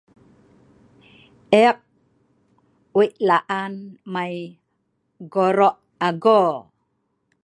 Ek wei laan mai goro ago